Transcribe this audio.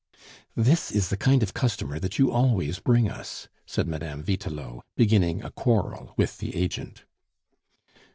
"This is the kind of customer that you always bring us," said Mme. Vitelot, beginning a quarrel with the agent.